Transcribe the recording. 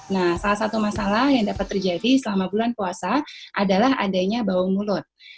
nah salah satu masalah yang dapat terjadi selama bulan puasa adalah adanya bau mulut